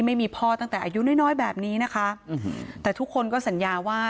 ไม่มีพ่อตั้งแต่อายุน้อยน้อยแบบนี้นะคะแต่ทุกคนก็สัญญาว่า